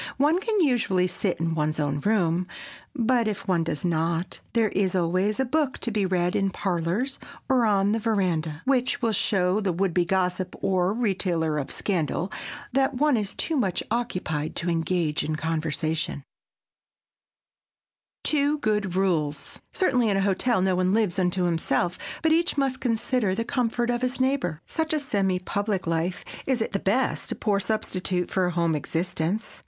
One can usually sit in one's own room, but if one does not, there is always a book to be read in parlors or on the veranda, which will show the would be gossip or retailer of scandal that one is too much occupied to engage in conversation. [Sidenote: TWO GOOD RULES] Certainly in a hotel no one lives unto himself, but each must consider the comfort of his neighbor. Such a semi public life is at the best a poor substitute for a home existence.